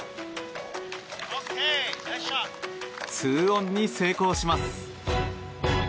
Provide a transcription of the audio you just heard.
２オンに成功します。